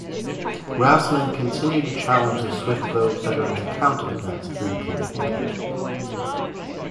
Rassman continued to challenge the Swift Boat Veterans' account of events throughout the campaign.